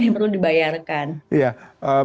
yang perlu dibayarkan